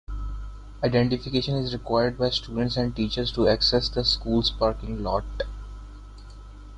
Identification is required by students and teachers to access the school's parking lot.